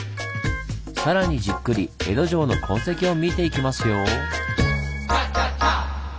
更にじっくり江戸城の痕跡を見ていきますよ。